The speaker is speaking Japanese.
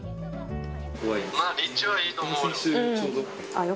まあ立地はいいと思うよ。